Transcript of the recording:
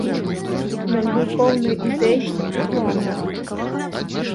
Ён быў поўны ідэй і планаў.